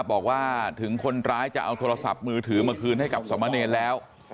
บอกว่าถึงคนร้ายจะเอาโทรศัพท์มือถือมาคืนให้กับสมเนรแล้ว